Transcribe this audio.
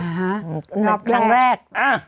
เนาะกแกรก